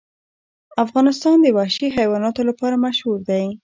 افغانستان د وحشي حیواناتو لپاره مشهور دی.